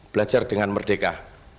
belajar dengan merdeka